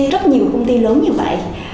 rất nhiều công ty lớn như vậy